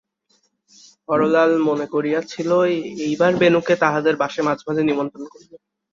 হরলাল মনে করিয়াছিল, এইবার বেণুকে তাহাদের বাসায় মাঝে মাঝে নিমন্ত্রণ করিবে।